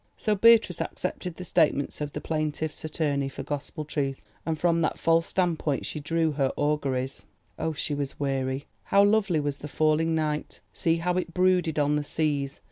So Beatrice accepted the statements of the plaintiff's attorney for gospel truth, and from that false standpoint she drew her auguries. Oh, she was weary! How lovely was the falling night, see how it brooded on the seas!